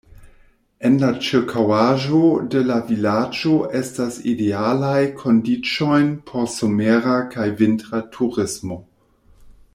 En la ĉirkaŭaĵo de la vilaĝo estas idealaj kondiĉojn por somera kaj vintra turismo.